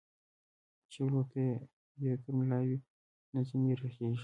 چي يو لور يې تر ملا وي، نه ځيني رغېږي.